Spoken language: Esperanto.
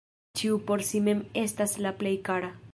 Ĉiu por si mem estas la plej kara.